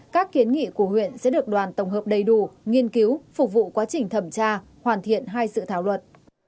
các kiến nghị của huyện sẽ được đoàn tổng hợp đầy đủ nghiên cứu phục vụ quá trình thẩm tra hoàn thiện hai dự thảo luật